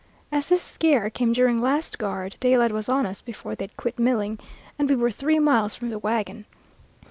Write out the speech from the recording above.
As this scare came during last guard, daylight was on us before they had quit milling, and we were three miles from the wagon.